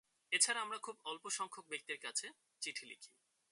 এছাড়া, আমরা খুব অল্পসংখ্যক ব্যক্তির কাছে চিঠি লিখি।